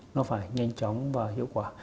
nó phải nhanh chóng và hiệu quả